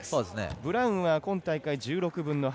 ブラウンは今大会は１８分の８。